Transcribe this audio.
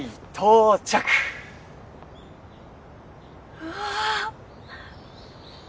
うわ。